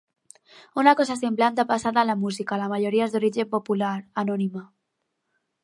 Una cosa semblant ha passat amb la música: la majoria és d'origen popular, anònima.